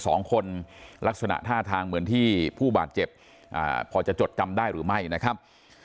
สองคนลักษณะท่าทางเหมือนที่ผู้บาดเจ็บอ่าพอจะจดจำได้หรือไม่นะครับ